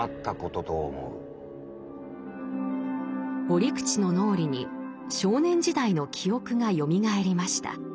折口の脳裏に少年時代の記憶がよみがえりました。